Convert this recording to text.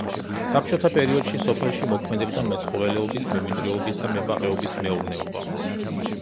საბჭოთა პერიოდში სოფელში მოქმედებდა მეცხოველეობის, მემინდვრეობის და მებაღეობის მეურნეობა.